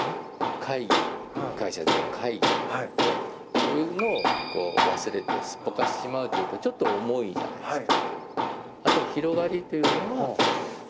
そういうのを忘れてすっぽかしてしまうというとちょっと重いじゃないですか。